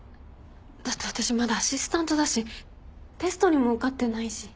だって私まだアシスタントだしテストにも受かってないし。